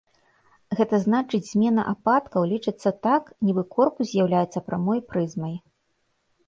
Гэта значыць змена ападкаў лічыцца так, нібы корпус з'яўляецца прамой прызмай.